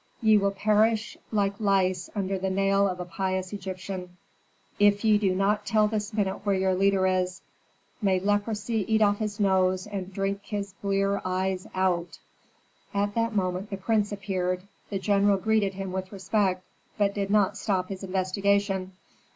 Ye will perish like lice under the nail of a pious Egyptian, if ye do not tell this minute where your leader is, may leprosy eat off his nose and drink his blear eyes out!" At that moment the prince appeared. The general greeted him with respect, but did not stop his investigation.